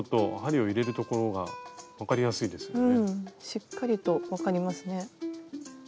しっかりと分かりますね。